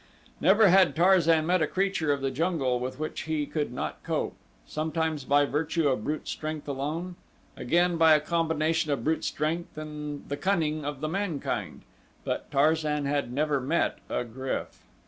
Never had Tarzan met a creature of the jungle with which he could not cope sometimes by virtue of brute strength alone, again by a combination of brute strength and the cunning of the man mind; but Tarzan had never met a GRYF.